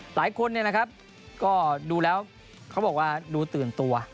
หลายคนเนี่ยนะครับก็ดูแล้วเขาบอกว่าดูตื่นตัว